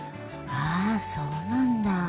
ああそうなんだ。